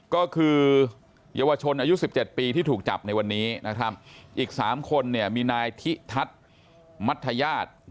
ก็คือเยาวชนอายุ๑๗ปีที่ถูกจับในวันนี้นะครับอีก๓คนเนี่ยมีนายทิทัศน์มัธยาศ